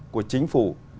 của chính phủ